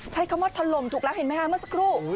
ใช้คำว่าถล่มถูกแล้วเห็นไหมคะเมื่อสักครู่